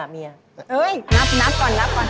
เฮ้ยนับก่อน